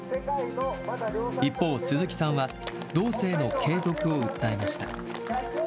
一方、鈴木さんは道政の継続を訴えました。